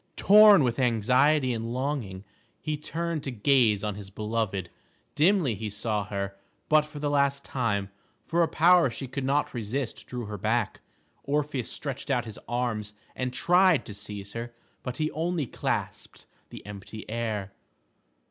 Tom with anxiety and longing, he turned to gaze on his beloved. Dimly he saw her, but for the last time, for a power she could not resist drew her back. Orpheus stretched out his arms and tried to seize her, but he only clasped the empty air.